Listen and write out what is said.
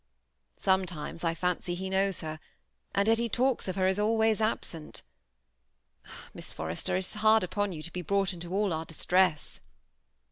Sometimes I fancy he knows her, and jet he talks of her alwajs as absent Miss Forrester, it is hard upon jou to be brought into all our distress."